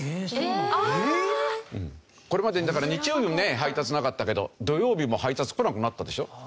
これまでにだから日曜日ね配達なかったけど土曜日も配達来なくなったでしょ。